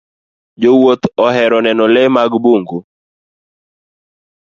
Jowuoth ohero neno le mag bungu.